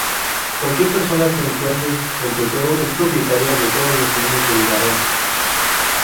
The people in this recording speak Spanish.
Cualquier persona que encuentre el tesoro, es propietaria de todos los bienes del barón.